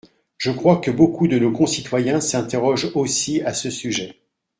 Je crois que beaucoup de nos concitoyens s’interrogent aussi à ce sujet.